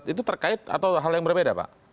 itu terkait atau hal yang berbeda pak